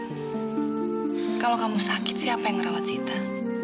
jika kamu sakit siapa yang akan menjaga sita